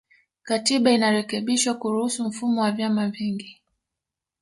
Katiba inarekebishwa kuruhusu mfumo wa vyama vingi